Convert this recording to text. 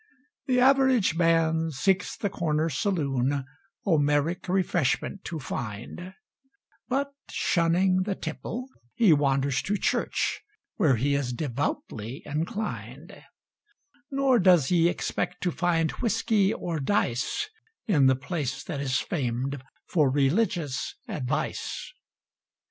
The Average Man seeks the corner saloonOmeric refreshment to find; But, shunning the tipple, he wanders to churchWhere he is devoutly inclined—Nor does he expect to find whiskey or diceIn the place that is famed for religious advice.